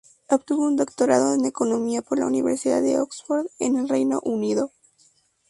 Obtuvo un doctorado en Economía por la Universidad de Oxford en el Reino Unido.